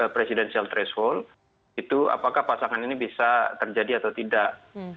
presidensial threshold itu apakah pasangan ini bisa terjadi atau tidak